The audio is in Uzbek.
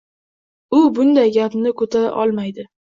U bunday gapni ko'tara olmaydi.